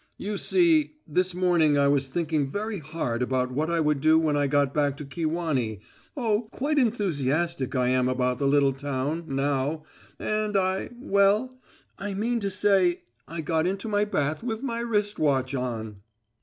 "You see, this morning I was thinking very hard about what I would do when I got back to Kewanee oh, quite enthusiastic I am about the little town, now and I well, I mean to say, I got into my bath with my wrist watch on."